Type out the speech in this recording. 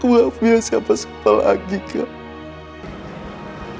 aku gak punya siapa siapa lagi kak